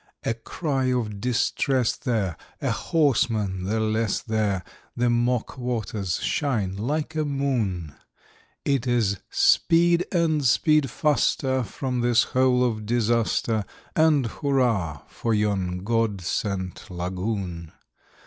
A cry of distress there! a horseman the less there! The mock waters shine like a moon! It is "Speed, and speed faster from this hole of disaster! And hurrah for yon God sent lagoon!"